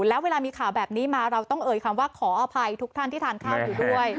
แล้วเวลามีข่าวแบบนี้มาเราต้องเอ่ยคำว่าขออภัยทุกท่านที่ทานข้าวอยู่ด้วย